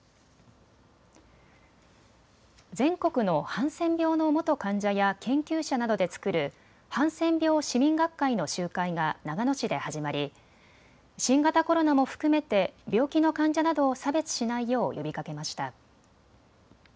全国のハンセン病の元患者や研究者などで作るハンセン病市民学会の集会が長野市で始まり新型コロナも含めて病気の患者などを差別しないよう呼びかけました。